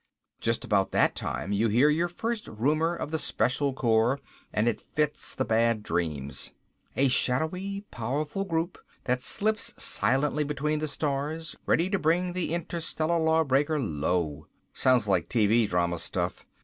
Just about that time you hear your first rumor of the Special Corps and it fits the bad dreams. A shadowy, powerful group that slip silently between the stars, ready to bring the interstellar lawbreaker low. Sounds like TV drama stuff.